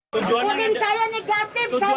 tujuan saya negatif